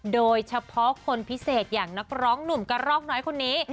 โดยเฉพาะคนพิเศษอย่างนักร้องหนุ่มกระรอกน้อยคนนี้